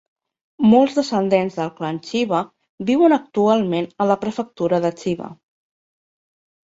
Molts descendents del clan Chiba viuen actualment a la prefectura de Chiba.